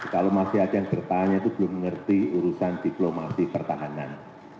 kalau masih ada yang bertanya itu belum mengerti urusan diplomasi pertahanan